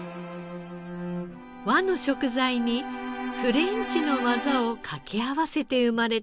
和の食材にフレンチの技をかけ合わせて生まれたひと皿。